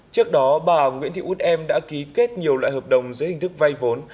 trước đó bà nguyễn thị út em đã ký kết nhiều loại hợp đồng dưới hình thức vay vốn